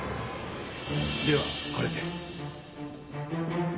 ではこれで。